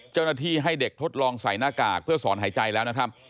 ให้เด็กทดลองใส่หน้ากากเพื่อสอนหายใจแล้วนะครับ